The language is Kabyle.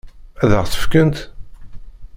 Ad ɣ-tt-fkent?